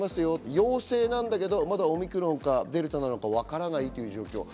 陽性だけど、まだオミクロンなのかデルタなのか分からないという状況。